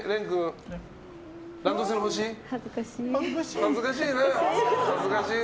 恥ずかしいな？